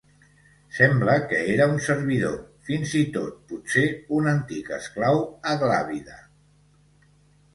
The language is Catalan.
Sembla que era un servidor, fins i tot potser un antic esclau aglàbida.